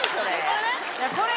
これ？